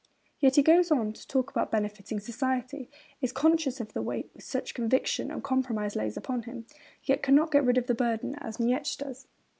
Yet he goes on to talk about 'benefiting society,' is conscious of the weight which such a conviction or compromise lays upon him, and yet cannot get rid of the burden, as Nietzsche does.